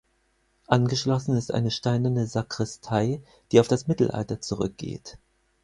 Angeschlossen ist eine steinerne Sakristei, die auf das Mittelalter zurückgeht.